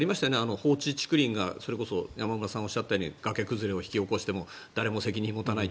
放置竹林が、それこそ山村さんがおっしゃったように崖崩れを引き起こしても誰も責任取らないって